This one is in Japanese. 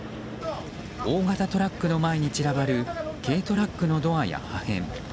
大型トラックの前に散らばる軽トラックのドアや破片。